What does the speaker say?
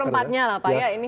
tempatnya lah pak ya ini